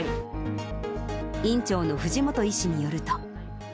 院長の藤本医師によると。